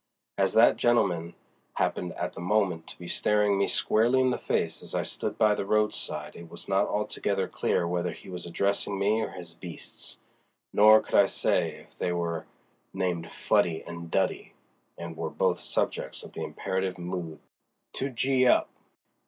As that gentleman happened at the moment to be staring me squarely in the face as I stood by the roadside it was not altogether clear whether he was addressing me or his beasts; nor could I say if they were named Fuddy and Duddy and were both subjects of the imperative verb "to gee up."